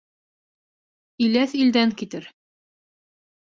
Иләҫ илдән китер.